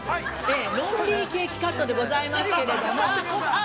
ロンリーケーキカットでございますけれども。